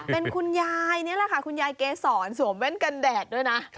เป็นคุณยายนี่แหละค่ะคุณยายเกษรสวมแว่นกันแดดด้วยนะ